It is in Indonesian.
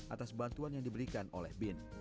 atas bantuan yang diberikan oleh bin